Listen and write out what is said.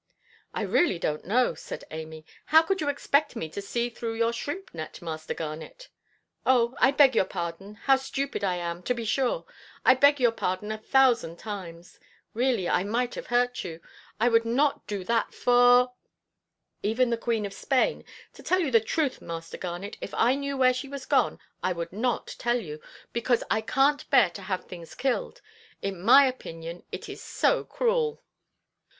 "I really donʼt know," said Amy; "how could you expect me to see through your shrimp–net, Master Garnet?" "Oh, I beg your pardon—how stupid I am, to be sure—I beg your pardon a thousand times; really I might have hurt you. I would not do that for——" "Even the Queen of Spain. To tell you the truth, Master Garnet, if I knew where she was gone I would not tell you, because I canʼt bear to have things killed. In my opinion, it is so cruel."